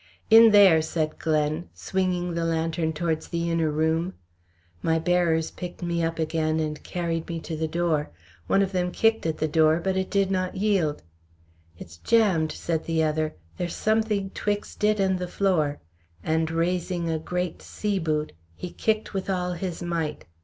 "In there!" said Glen, swinging the lantern towards the inner room. My bearers picked me up again and carried me to the door. One of them kicked at the door, but it did not yield. "It's jammed," said the other, "there's some thing 'twixt it and the floor," and raising a great sea boot, he kicked with all his might.